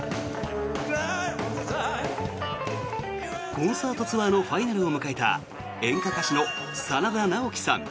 コンサートツアーのファイナルを迎えた演歌歌手の真田ナオキさん。